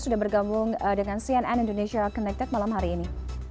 sudah bergabung dengan cnn indonesia connected malam hari ini